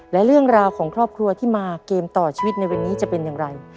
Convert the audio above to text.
และเรื่องราวของครอบครัวที่มาเกมต่อชีวิตในวันนี้จะเป็นอย่างไร